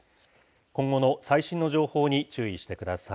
今後の最新の情報に注意してください。